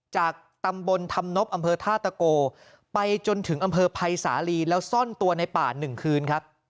จากตำบลธรรมนบอภท่าตะโกไปจนถึงอภภายหสาลีแล้วซ่อนตัวในป่าหนึ่งคืน